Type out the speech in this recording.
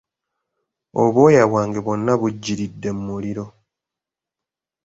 Obwoya bwange bwonna bujjiridde mu muliro.